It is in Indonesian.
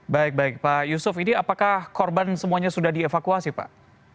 baik baik pak yusuf ini apakah korban semuanya sudah dievakuasi pak